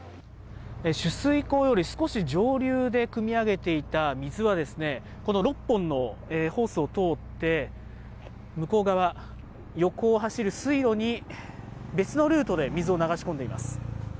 取水口より少し上流でくみ上げていた水は、この６本のホースを通って、向こう側、横を走る水路に、別のルートで水を流し込んでいます。